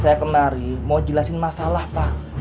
saya kemari mau jelasin masalah pak